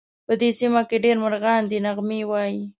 په دې سیمه کې ډېر مرغان دي نغمې وایې